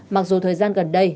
mặc dù thời gian gần đây